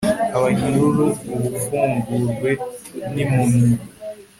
abanyururu ubufungurwe, n'impumyi